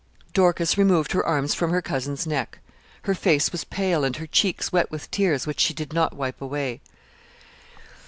Dorcas removed her arms from her cousin's neck; her face was pale, and her cheeks wet with tears, which she did not wipe away.